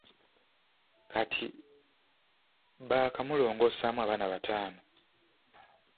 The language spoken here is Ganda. Kati baakamulongoosaamu abaana bataano.